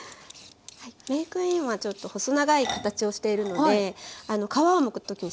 メークインはちょっと細長い形をしているので皮をむくときにすごくむきやすいんですね。